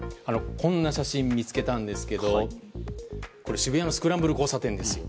こんな写真を見つけたんですが渋谷のスクランブル交差点ですよ。